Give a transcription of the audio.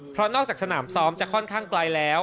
เพราะนอกจากสนามซ้อมจะค่อนข้างไกลแล้ว